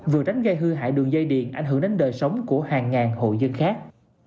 vừa tránh gây hư hại đường dây điện ảnh hưởng đến đời sống của hàng ngàn hộ dân khác